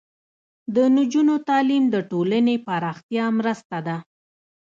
د نجونو تعلیم د ټولنې پراختیا مرسته ده.